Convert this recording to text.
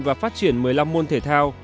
và phát triển một mươi năm môn thể thao